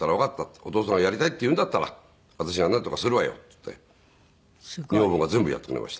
「お父さんがやりたいって言うんだったら私がなんとかするわよ」って言って女房が全部やってくれました。